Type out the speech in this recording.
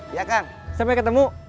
iya kang sampai ketemu